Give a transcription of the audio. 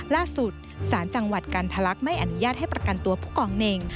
ล่าสุดศาลจังหวัดกันทะลักษณ์ไม่อนุญาตให้ประกันตัวผู้กองเน่ง